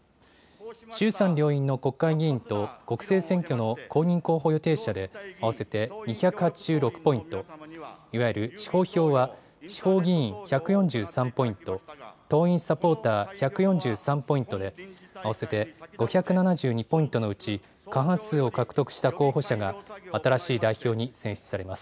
衆参両院の国会議員と国政選挙の公認候補予定者で、合わせて２８６ポイント、いわゆる地方票は地方議員１４３ポイント、党員・サポーター１４３ポイントで、合わせて５７２ポイントのうち、過半数を獲得した候補者が、新しい代表に選出されます。